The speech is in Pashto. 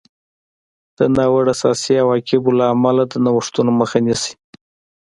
د ناوړه سیاسي عواقبو له امله د نوښتونو مخه نیسي.